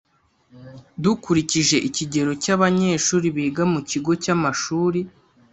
Dukurikije ikigero cy abanyeshuri biga mu kigo cy amashuri